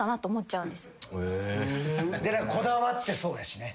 こだわってそうやしね。